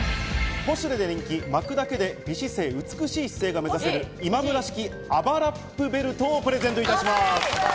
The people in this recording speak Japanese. ポシュレで人気、巻くだけで美姿勢、美しい姿勢が目指せる「今村式あばラップベルト」をプレゼントいたします。